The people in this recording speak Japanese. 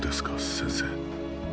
先生。